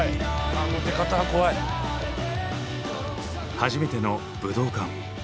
初めての武道館。